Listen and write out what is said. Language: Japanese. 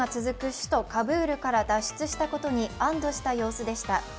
首都カブールから脱出したことに安どした様子でした。